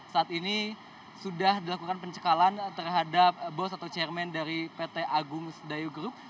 saat ini sudah dilakukan pencekalan terhadap bos atau chairman dari pt agung dayu group